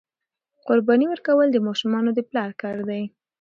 قرباني ورکول د ماشومانو د پلار کار دی.